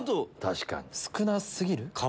少な過ぎる？